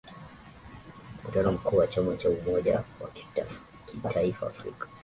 Mkutano mkuu wa chama cha umoja wa kitaifa Afrika